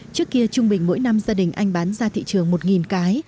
trước kia trung bình mỗi năm gia đình anh bán ra thị trường một cái